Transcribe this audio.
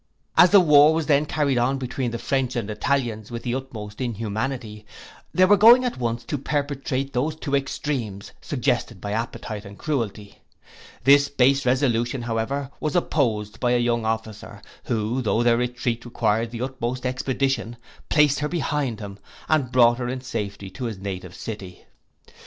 'As the war was then carried on between the French and Italians with the utmost inhumanity, they were going at once to perpetrate those two extremes, suggested by appetite and cruelty. This base resolution, however, was opposed by a young officer, who, tho' their retreat required the utmost expedition, placed her behind him, and brought her in safety to his native city.